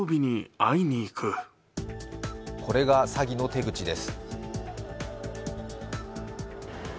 これが詐欺の手口です。